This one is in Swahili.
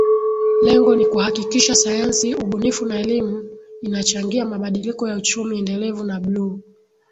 Lengo ni kuhakikisha sayansi ubunifu na elimu inachangia mabadiliko ya Uchumi Endelevu wa Bluu